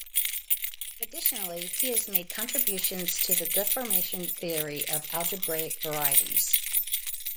Additionally, he has made contributions to the deformation theory of algebraic varieties.